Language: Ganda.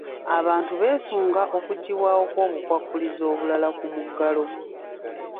Abantu beesunga okuggyibwawo kw'obukwakkulizo obulala ku muggalo.